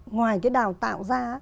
ngoài cái đào tạo ra